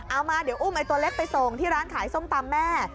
มาเดี๋ยวอุ้มไอ้ตัวเล็กไปส่งที่ร้านขายส้มตำแม่